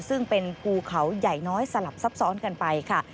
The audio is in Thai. ซึ่งเป็นภูเขาใหญ่น้อยสลับซับซ้อนกันไปค่ะ